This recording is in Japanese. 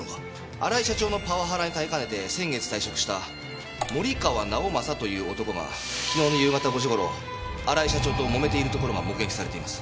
荒井社長のパワハラに耐えかねて先月退職した森川直政という男が昨日の夕方５時頃荒井社長ともめているところが目撃されています。